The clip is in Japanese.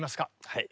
はい。